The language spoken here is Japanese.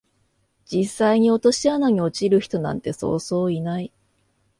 実際に落とし穴に落ちる人なんてそうそういない